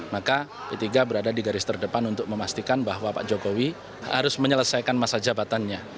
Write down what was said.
maka p tiga berada di garis terdepan untuk memastikan bahwa pak jokowi harus menyelesaikan masa jabatannya